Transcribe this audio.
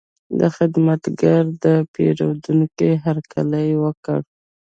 دا خدمتګر د پیرودونکي هرکلی وکړ.